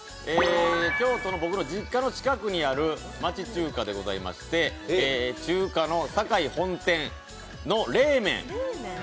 京都の僕の実家の近くにある町中華でございまして中華のサカイ本店の冷めん。